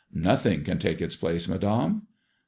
" Nothing can take its place, Madame."